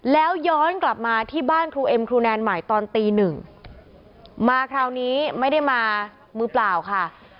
แล้วย้อนกลับมาที่บ้านครูเอ็มครูแนนใหม่ตอนตีหนึ่งมาคราวนี้ไม่ได้มามือเปล่าค่ะ